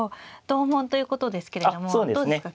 同門ということですけれどもどうですか